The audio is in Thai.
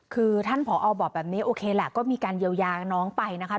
คือท่านผอบอกแบบนี้โอเคแหละก็มีการเยียวยาน้องไปนะคะ